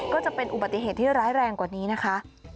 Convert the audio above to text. ก็จะเป็นอุบัติเหตุที่ร้ายแรงกว่านี้นะคะ